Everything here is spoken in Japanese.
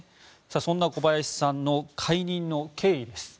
そんな小林さんの解任の経緯です。